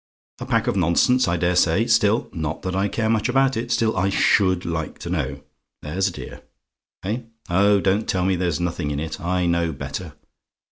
A pack of nonsense, I dare say; still not that I care much about it, still I SHOULD like to know. There's a dear. Eh: oh, don't tell me there's nothing in it: I know better.